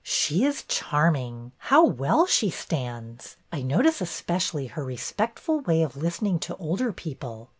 " She is charming. How well she stands! I notice especially her THE RECEPTION 323 respectful way of listening to older people.